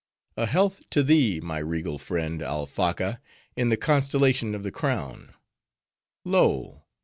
A health to thee, my regal friend, Alphacca, in the constellation of the Crown: Lo!